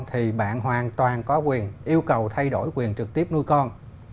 thì bạn hoàn toàn có quyền yêu cầu thay đổi quyền trực tiếp nuôi con